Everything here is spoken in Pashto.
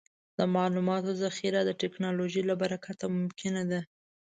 د معلوماتو ذخیره د ټکنالوجۍ له برکته ممکنه ده.